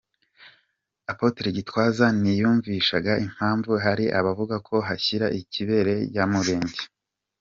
Apotre Gitwaza ntiyiyumvisha impamvu hari abavuga ko ashyira ku ibere abanyamulenge .